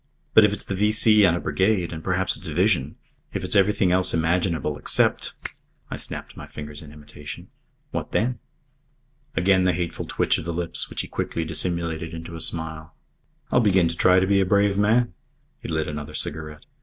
"But if it's the V.C. and a Brigade, and perhaps a Division if it's everything else imaginable except " I snapped my fingers in imitation "What then?" Again the hateful twitch of the lips, which he quickly dissimulated in a smile. "I'll begin to try to be a brave man." He lit another cigarette.